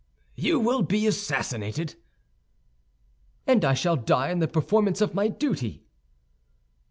"You will be assassinated." "And I shall die in the performance of my duty."